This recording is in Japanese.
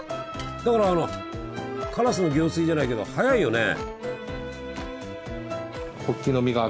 だからあの「烏の行水」じゃないけど早いよね。